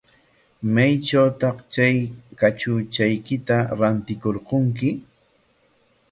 ¿Maytrawtaq chay kachuchaykita rantirqunki?